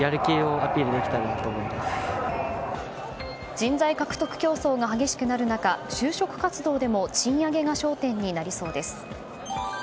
人材獲得競争が激しくなる中就職活動でも賃上げが焦点になりそうです。